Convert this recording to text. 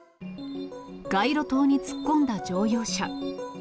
街路灯に突っ込んだ乗用車。